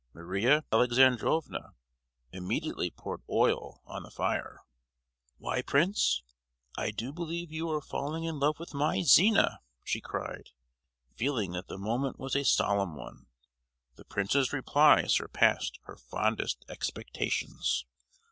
Maria Alexandrovna immediately poured oil on the fire. "Why, Prince, I do believe you are falling in love with my Zina," she cried, feeling that the moment was a solemn one. The prince's reply surpassed her fondest expectations.